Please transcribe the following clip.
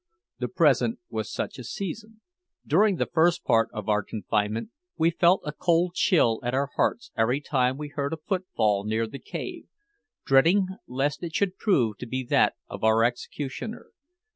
The present was such a season. During the first part of our confinement we felt a cold chill at our hearts every time we heard a footfall near the cave, dreading lest it should prove to be that of our executioner.